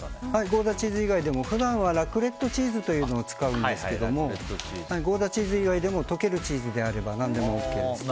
ゴーダチーズ以外でも、普段はラクレットチーズというのを使うんですけどもゴーダチーズ以外でも溶けるチーズであれば何でもＯＫです。